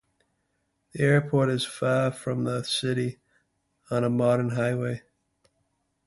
The airport is far from the city, on a modern highway.